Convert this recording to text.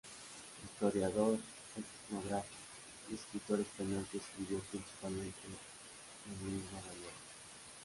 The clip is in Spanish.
Historiador, etnógrafo y escritor español que escribió principalmente en lengua gallega.